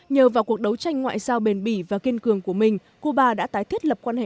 nhờ vào cuộc đấu tranh ngoại giao bền bỉ và kiên cường của mình cuba đã tái thiết lập quan hệ